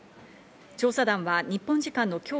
調査団は日本時間の今日